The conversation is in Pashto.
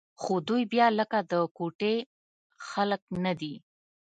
خو دوى بيا لکه د کوټې خلق نه دي.